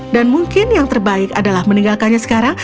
dan mungkin yang terbaik adalah meninggalkannya sekarang